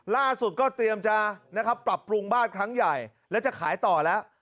ล่าสุดก็เตรียมจะนะครับปรับปรุงบ้านครั้งใหญ่แล้วจะขายต่อแล้ว